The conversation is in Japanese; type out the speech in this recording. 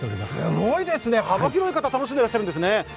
すごいですね、幅広い方、楽しんでいらっしゃるんですね。